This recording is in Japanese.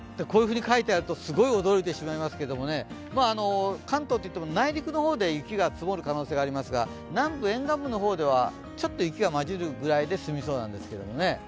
こういうふうに書いてあるとすごい驚いてしまいますけど関東といっても内陸の方で雪が積もる可能性がありますが、南部沿岸部の方ではちょっと雪が交じるぐらいで済みそうなんですけどね。